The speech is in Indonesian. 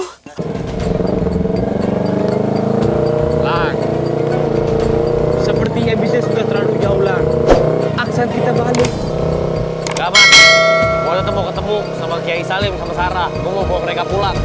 hai sepertinya bisa sudah terlalu jauh lang akcent kita balik